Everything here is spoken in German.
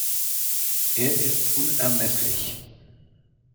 Er ist unermesslich.